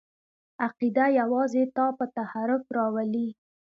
عقیده یوازې تا په تحرک راولي!